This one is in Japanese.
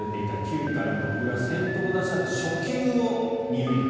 ９回の裏先頭打者で初球を２塁打